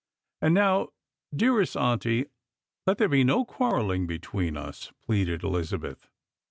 " And now, dearest auntie, let there be no quarrelling between us," pleaded Elizabeth.